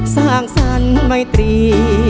สร้างสรรค์ไมตรี